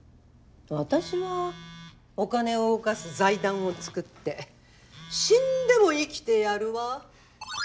私はお金を動かす財団をつくって死んでも生きてやるわ。